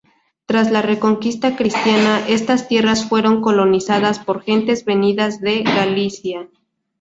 Tras la Reconquista cristiana, estas tierras fueron colonizadas por gentes venidas de Galicia.